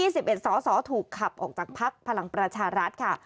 ๑๑สอสอถูกขับออกจากภักดิ์พลังประชารัฐค่ะ